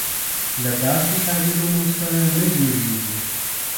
له داسې تعبیرونو سره نه جوړېږي.